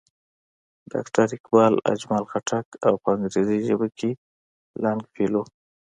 ډاکټر اقبال، اجمل خټک او پۀ انګريزي ژبه کښې لانګ فيلو